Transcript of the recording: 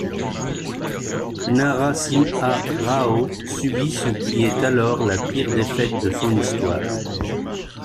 Narasimha Rao, subit ce qui est alors la pire défaite de son histoire.